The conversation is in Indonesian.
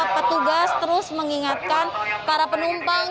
petugas terus mengingatkan para penumpang